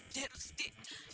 dia harus di